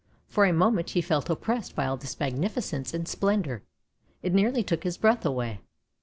For a moment he felt oppressed by all this magnificence and splendour —it nearly took his breath away.